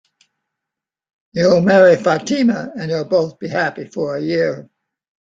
You'll marry Fatima, and you'll both be happy for a year.